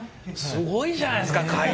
すごいじゃないですか会長。